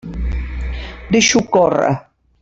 Deixa-ho córrer.